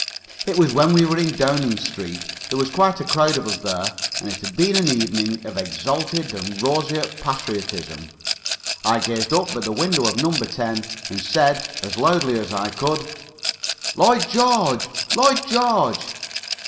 It was when we were in Downing Street. There was quite a crowd of us there, and it had been an evening of exalted and roseate patriotism. I gazed up at the window of No. 10 and said, as loudly as I could: "Lloyd George! Lloyd George!"